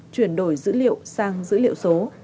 chuyển đổi dữ liệu sang dữ liệu số